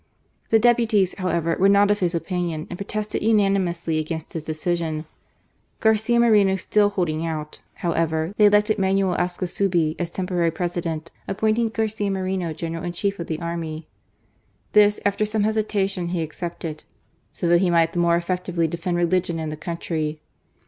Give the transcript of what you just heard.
The deputies, however, were not of his opinion, and protested unanimously against his decision. Garcia Moreno still holding out, however, they elected Manuel Ascasubi as temporary President, appointing Garcia Moreno General in Chief of the army. This, after some hesitation, he accepted, "so that he might the more effectively defend religion and the country."